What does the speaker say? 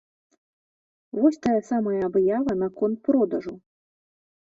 Вось тая самая аб'ява наконт продажу.